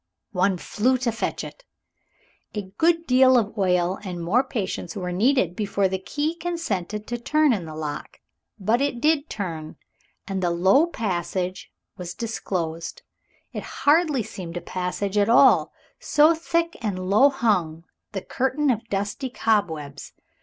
One flew to fetch it. A good deal of oil and more patience were needed before the key consented to turn in the lock, but it did turn and the low passage was disclosed. It hardly seemed a passage at all, so thick and low hung the curtain of dusty cobwebs.